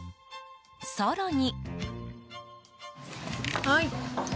更に。